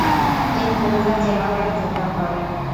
তিনি কুমিল্লা জেলা বারে যোগদান করেন।